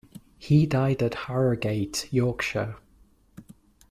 He died at Harrogate, Yorkshire.